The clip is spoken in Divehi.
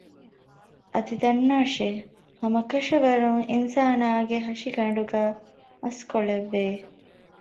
އަދި ދަންނާށޭ ހަމަކަށަވަރުން އިންސާނާގެ ހަށިގަނޑުގައި މަސްކޮޅެއް ވޭ